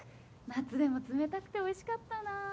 夏でも冷たくておいしかったな。